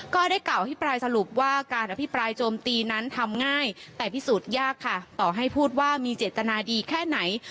ก็ได้กล่าวอภิปรายสรุปว่าการอภิปรายโจมตีนั้นทำง่ายแต่พิสูจน์ยากค่ะต่อให้พูดว่ามีเจตนาดีแค่ไหน